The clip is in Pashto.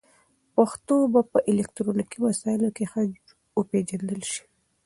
پښتو به په الکترونیکي وسایلو کې ښه وپېژندل شي.